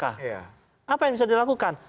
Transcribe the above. apa yang bisa dilakukan